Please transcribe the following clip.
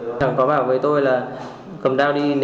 anh thắng có bảo vệ tôi